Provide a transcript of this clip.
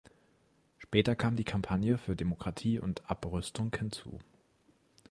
Später kam die "Kampagne für Demokratie und Abrüstung" hinzu.